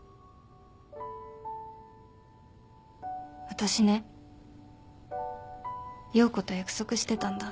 私ね葉子と約束してたんだ。